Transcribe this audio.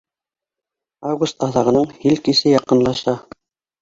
Август аҙағының һил кисе яҡынлаша